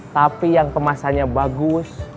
tapi yang kemasannya bagus